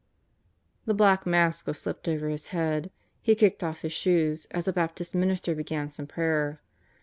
The black mask was slipped over his head, he kicked off his shoes as a Baptist minister began some prayer.